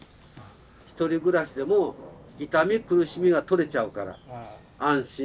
ひとり暮らしでも痛み苦しみが取れちゃうから安心です。